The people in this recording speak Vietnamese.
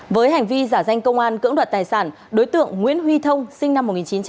với hành vi giả danh công an cưỡng đoạt tài sản đối tượng nguyễn huy thông sinh năm một nghìn chín trăm tám mươi